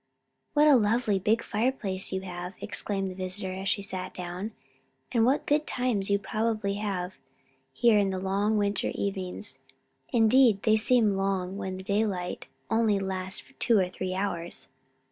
"What a lovely big fireplace you have!" exclaimed the visitor, as she sat down. "And what good times you probably have here in the long winter evenings. Indeed they must seem long when the daylight only lasts two or three hours."